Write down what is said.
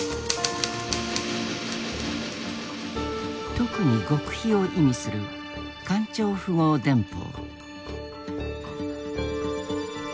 特に極秘を意味する館長符号電報。